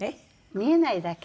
見えないだけ。